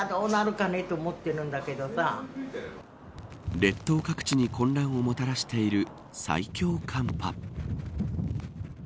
列島各地に混乱をもたらしている最強寒波。